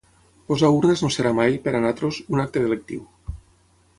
Posar urnes no serà mai, per nosaltres, un acte delictiu.